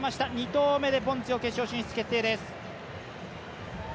２投目でポンツィオ決勝進出決定です。